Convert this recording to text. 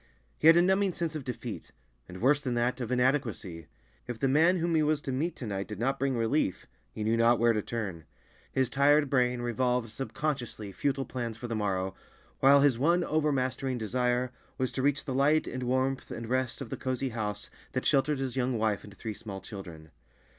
He had a numbing sense of defeat, and worse than that, of inadequacy. If the man whom he was to meet to night did not bring relief, he knew not where to turn. His tired brain revolved subconsciously futile plans for the morrow, while his one overmastering desire was to reach the light and warmth and rest of the cozy house that sheltered his young wife and three small children.